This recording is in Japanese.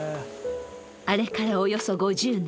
あれからおよそ５０年。